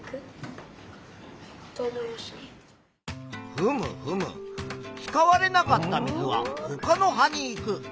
ふむふむ使われなかった水はほかの葉に行く。